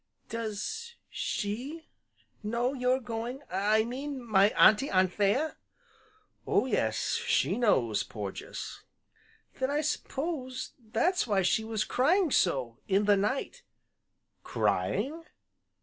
"Does she know you're going, I mean my Auntie Anthea?" "Oh yes, she knows, Porges." "Then I s'pose that's why she was crying so, in the night " "Crying?"